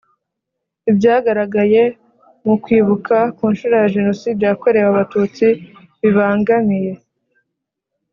Ibyagaragaye mu kwibuka ku nshuro ya Jenoside yakorewe Abatutsi bibangamiye